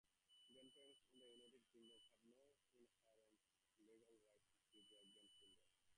Grandparents in the United Kingdom have no inherent legal right to see their grandchildren.